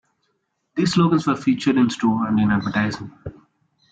These slogans were featured in-store and in advertising.